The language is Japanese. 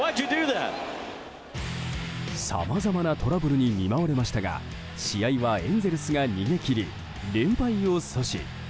さまざまなトラブルに見舞われましたが試合はエンゼルスが逃げ切り連敗を阻止。